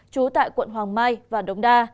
trú tại quận hoàng mai và đồng đa